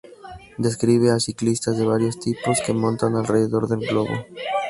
Describe a ciclistas de varios tipos, que montan alrededor del globo.